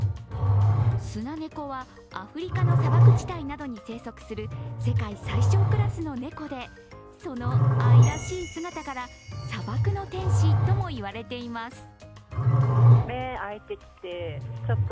スナネコは、アフリカの砂漠地帯などに生息する世界最小クラスの猫でその愛らしい姿から砂漠の天使ともいわれています。